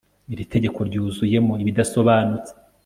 Iri tegeko ryuzuyemo ibidasobanutse